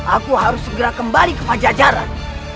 aku harus segera kembali ke pajajaran